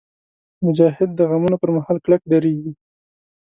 مجاهد د غمونو پر مهال کلک درېږي.